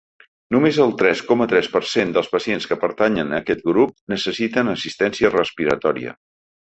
Només el tres coma tres per cent dels pacients que pertanyen a aquest grup necessiten assistència respiratòria.